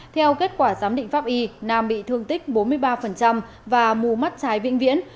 theo kết quả giám định pháp y nam bị thương tích bốn mươi ba và mù mắt trái vĩnh viễn